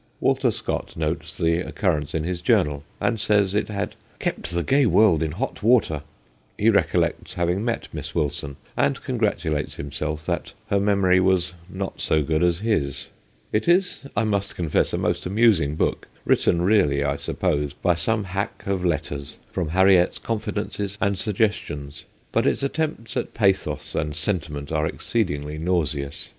Walter Scott notes the occur rence in his journal, and says it had * kept the gay world in hot water/ He recollects having met Miss Wilson, and congratulates himself that her memory was not so good as his. It is, I must confess, a most amusing book, written really, I suppose, by some hack of letters from Harriet's confidences and suggestions, but its attempts at pathos and sentiment are exceedingly nauseous.